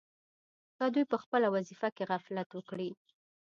که دوی په خپله وظیفه کې غفلت وکړي.